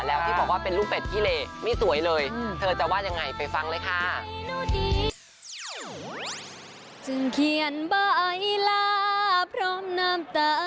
แล้วที่บอกว่าเป็นลูกเป็ดขี้เหลไม่สวยเลยเธอจะว่ายังไงไปฟังเลยค่ะ